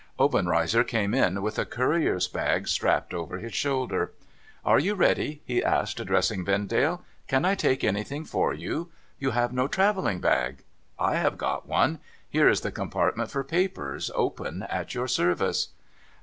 Obenreizer came in with a courier's bag strapped over his shoulder. ' Are you ready ?' he asked, addressing Vendale. ' Can I take anything for you ? You have no travelling bag. I have got one. Here is the compartment for papers, open at your service.'